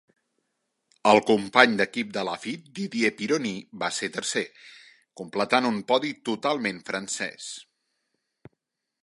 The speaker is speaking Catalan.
El company d'equip de Laffite, Didier Pironi, va ser tercer, completant un podi totalment francès.